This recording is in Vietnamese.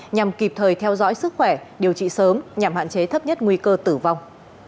nhằm kịp thời theo dõi sức khỏe điều trị sớm nhằm hạn chế thấp nhất nguy cơ tử vong